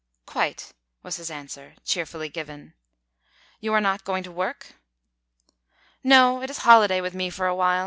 "Quite," was his answer, cheerfully given. "You are not going to work?" "No; it is holiday with me for a while.